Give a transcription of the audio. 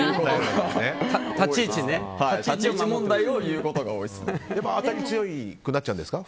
立ち位置問題を言うことが多いですね。